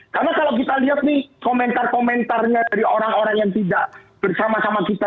karena kalau kita lihat nih komentar komentarnya dari orang orang yang tidak bersama sama kita